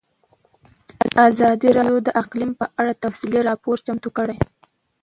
ازادي راډیو د اقلیم په اړه تفصیلي راپور چمتو کړی.